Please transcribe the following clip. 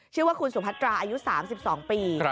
ชื่อว่าคุณสุพัตราอายุ๓๒ปี